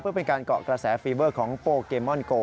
เพื่อเป็นการเกาะกระแสฟีเวอร์ของโปเกมอนโก